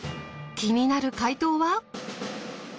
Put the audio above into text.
気になる解答は！？